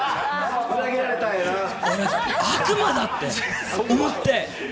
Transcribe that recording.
悪魔だ！って思って。